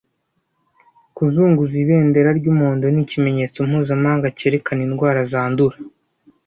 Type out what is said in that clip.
Kuzunguza ibendera ry'umuhondo ni ikimenyetso mpuzamahanga cyerekana indwara zandura